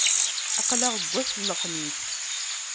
Aql-aɣ deg ass n lexmis.